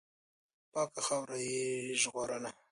پاکه خاوره یې ژغورله.